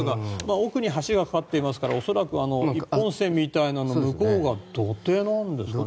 奥に橋がかかっていますから恐らく１本線みたいなものの向こうが土手なんでしょうね。